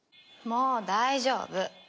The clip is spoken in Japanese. もう大丈夫！